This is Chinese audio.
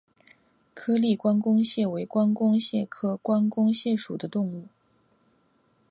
颗粒关公蟹为关公蟹科关公蟹属的动物。